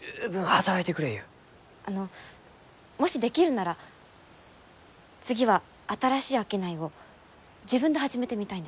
あのもしできるなら次は新しい商いを自分で始めてみたいんです。